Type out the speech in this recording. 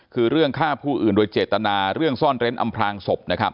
คือเรื่องฆ่าผู้อื่นโดยเจตนาเรื่องซ่อนเร้นอำพลางศพนะครับ